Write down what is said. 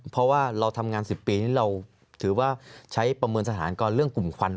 เพราะว่าเราทำงาน๑๐ปีนี้เราถือว่าใช้ประเมินสถานการณ์เรื่องกลุ่มควัน